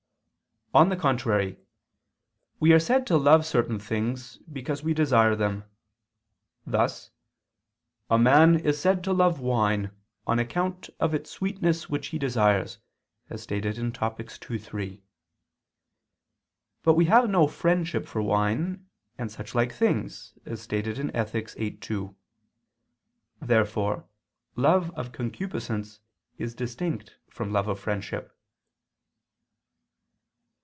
On the contrary, We are said to love certain things, because we desire them: thus "a man is said to love wine, on account of its sweetness which he desires"; as stated in Topic. ii, 3. But we have no friendship for wine and suchlike things, as stated in Ethic. viii, 2. Therefore love of concupiscence is distinct from love of friendship.